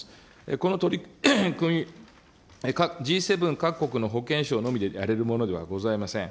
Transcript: この取り組み、Ｇ７各国の保険証のみでやれるものではございません。